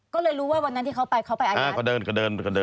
ก็เลยรู้ว่าวันนั้นที่เขาไปเขาไปอายัด